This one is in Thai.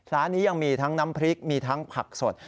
ร้านนี้ยังมีทั้งน้ำพริกมีทั้งผักสด